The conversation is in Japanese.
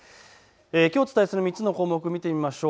きょうお伝えする３つの項目、見てみましょう。